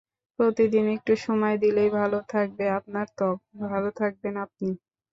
প্রতিদিন একটু সময় দিলেই ভালো থাকবে আপনার ত্বক, ভালো থাকবেন আপনি।